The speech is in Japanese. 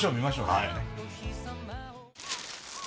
はい。